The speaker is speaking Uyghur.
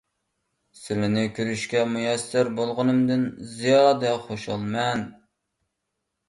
سىلىنى كۆرۈشكە مۇيەسسەر بولغىنىمدىن زىيادە خۇشالمەن.